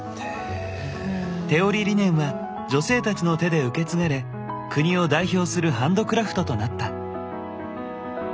手織りリネンは女性たちの手で受け継がれ国を代表するハンドクラフトとなった。